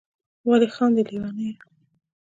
ولي خاندی ليونيه